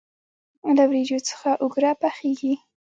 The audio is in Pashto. له وریجو څخه اوگره پخیږي.